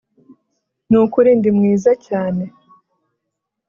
nukuri ndi mwiza cyane?